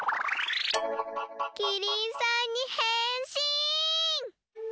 キリンさんにへんしん！